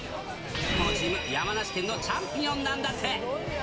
当時、山梨県のチャンピオンなんだって。